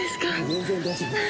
全然大丈夫です。